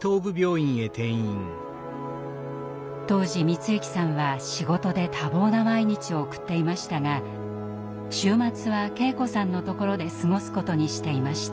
当時光行さんは仕事で多忙な毎日を送っていましたが週末は圭子さんのところで過ごすことにしていました。